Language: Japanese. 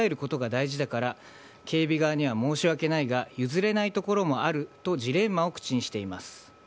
大事だから警備側には申し訳ないが譲れないところがあるとジレンマを口にしています。